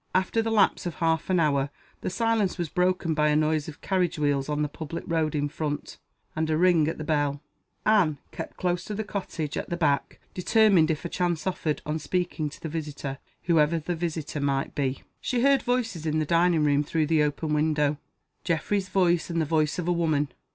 After the lapse of half an hour the silence was broken by a noise of carriage wheels on the public road in front, and a ring at the bell. Anne kept close to the cottage, at the back; determined, if a chance offered, on speaking to the visitor, whoever the visitor might be. She heard voices in the dining room through the open window Geoffrey's voice and the voice of a woman.